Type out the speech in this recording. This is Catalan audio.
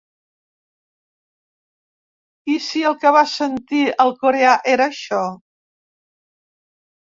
I si el que va sentir el coreà era això?